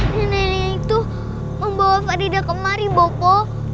nenek nenek itu membawa faridah kemari bopo